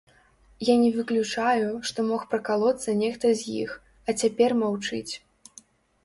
Я не выключаю, што мог пракалоцца нехта з іх, а цяпер маўчыць.